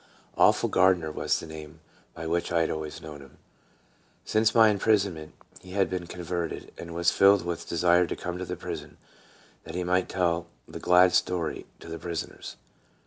"Awful Gard ner" was the name by which I had always known him. Since my imprisonment he had been converted, and was filled with desire to come to the prison, that he might tell the glad story to the prisoners.